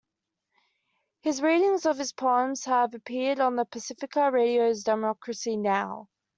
His readings of his poems have appeared on Pacifica Radio’s Democracy Now!.